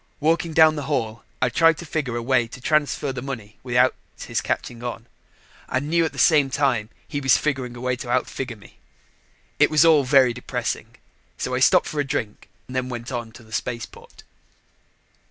Walking down the hall, I tried to figure a way to transfer the money without his catching on and knew at the same time he was figuring a way to outfigure me. It was all very depressing, so I stopped for a drink, then went on to the spaceport.